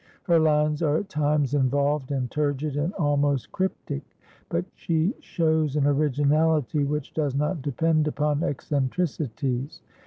Her lines are at times involved and turgid and almost cryptic, but she shows an originality which does not depend upon eccentricities.